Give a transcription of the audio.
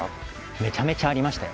めちゃめちゃありましたよ。